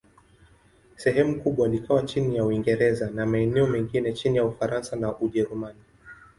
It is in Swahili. Sehemu kubwa likawa chini ya Uingereza, na maeneo mengine chini ya Ufaransa na Ujerumani.